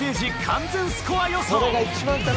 完全スコア予想。